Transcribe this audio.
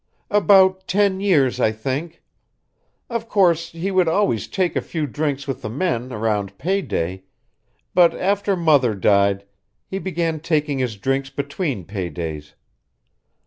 "About ten years, I think. Of course, he would always take a few drinks with the men around pay day, but after Mother died, he began taking his drinks between pay days.